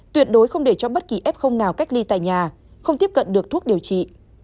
tuyệt đối không để cho bất kỳ f nào cách ly tại nhà không tiếp cận được thuốc điều trị